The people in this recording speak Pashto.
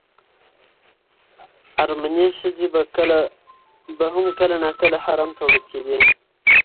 ارمني ښځې به هم کله ناکله حرم ته وړل کېدې.